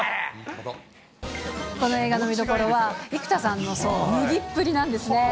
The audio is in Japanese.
この映画の見どころは、生田さんの脱ぎっぷりなんですね。